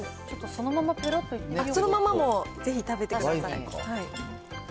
そのままも、ぜひ食べてください。